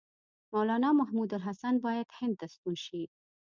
مولنا محمودالحسن باید هند ته ستون شي.